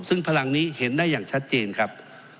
ซึ่งพลังนี้เห็นได้อย่างชัดเจนครับ